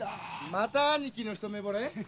また兄貴のひと目ぼれ？